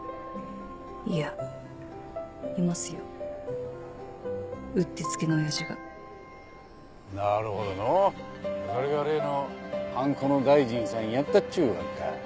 いやいますようってつけのオヤジがなるほどのそれが例のハンコの大臣さんやったっちゅうわけか。